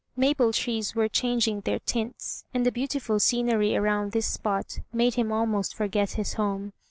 Maple trees were changing their tints, and the beautiful scenery around this spot made him almost forget his home.